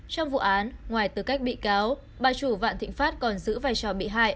trong vụ án ngoài tư cách bị cáo bà chủ vạn thịnh phát còn giữ vài trò bị hại